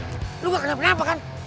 eh lo bakal dapet apa kan